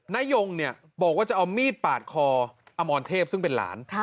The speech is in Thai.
นายงบอกว่าจะเอามีดปาดคออมรเทพซึ่งเป็นหลาน